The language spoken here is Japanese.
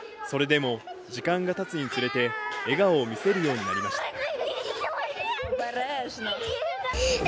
それでも時間が経つにつれて笑顔を見せるようになりました。